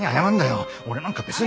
俺なんか別に。